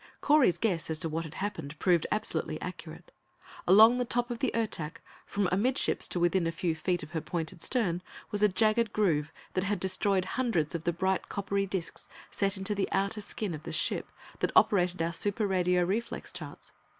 Correy's guess as to what had happened proved absolutely accurate. Along the top of the Ertak, from amidships to within a few feet of her pointed stem, was a jagged groove that had destroyed hundreds of the bright, coppery discs, set into the outer skin of the ship, that operated our super radio reflex charts.